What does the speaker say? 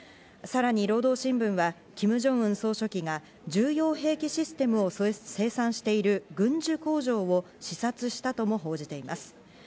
さらに労働新聞はキム・ジョンウン総書記が重要兵器システムを生産している軍需工場を視察したとも報じています。